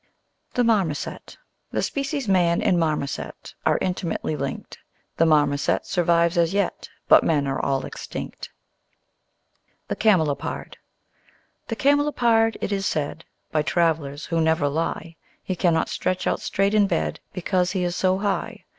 The Marmozet The species Man and Marmozet Are intimately linked; The Marmozet survives as yet, But Men are all extinct. The Camelopard The Camelopard, it is said By travellers (who never lie), He cannot stretch out straight in bed Because he is so high.